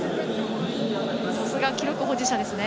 さすが記録保持者ですね。